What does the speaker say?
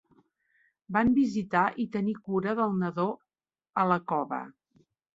Van visitar i tenir cura del nadó a la cova.